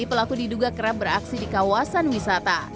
pelaku diduga kerap beraksi di kawasan wisata